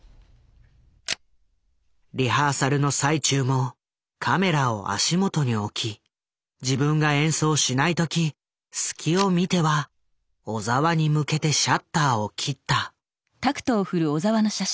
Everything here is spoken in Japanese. リハーサルの最中もカメラを足元に置き自分が演奏しない時隙を見ては小澤に向けてシャッターを切った。